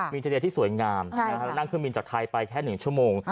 มีทะเลที่สวยงามนั่งเครื่องบินจากไทยไปแค่๑ชั่วโมง